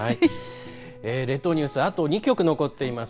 列島ニュース、あと２局残っています。